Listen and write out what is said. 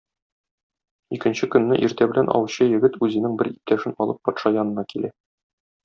Икенче көнне иртә белән аучы егет үзенең бер иптәшен алып патша янына килә.